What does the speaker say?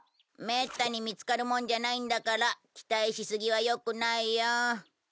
めったに見つかるもんじゃないんだから期待しすぎはよくないよ。